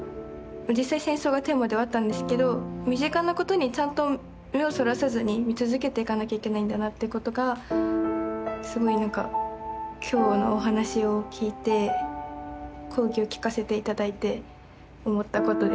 実際戦争がテーマではあったんですけど身近なことにちゃんと目をそらさずに見続けていかなきゃいけないんだなっていうことがすごい何か今日のお話を聴いて講義を聴かせて頂いて思ったことです。